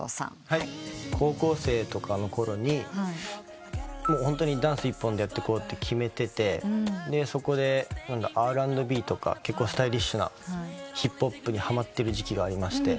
高校生とかのころにホントにダンス一本でやってこうって決めててそこでＲ＆Ｂとか結構スタイリッシュなヒップホップにはまってる時期がありまして。